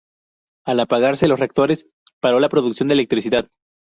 Al apagarse los reactores, paró la producción de electricidad.